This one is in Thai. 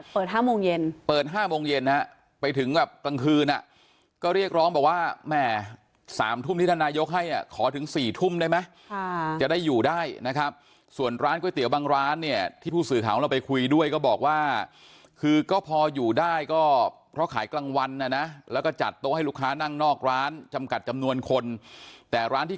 ๕โมงเย็นเปิด๕โมงเย็นนะฮะไปถึงแบบกลางคืนอ่ะก็เรียกร้องบอกว่าแหม๓ทุ่มที่ท่านนายกให้ขอถึง๔ทุ่มได้ไหมจะได้อยู่ได้นะครับส่วนร้านก๋วยเตี๋ยวบางร้านเนี่ยที่ผู้สื่อข่าวของเราไปคุยด้วยก็บอกว่าคือก็พออยู่ได้ก็เพราะขายกลางวันนะนะแล้วก็จัดโต๊ะให้ลูกค้านั่งนอกร้านจำกัดจำนวนคนแต่ร้านที่